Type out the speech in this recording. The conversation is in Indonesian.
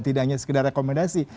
tidak hanya sekedar rekomendasi